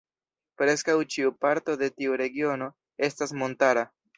Preskaŭ ĉiu parto de tiu regiono estas montara.